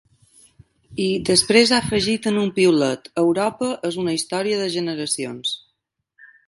I, després ha afegit en un piulet: Europa és una història de generacions.